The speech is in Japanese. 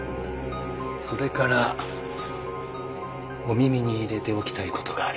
それからお耳に入れておきたいことがあります。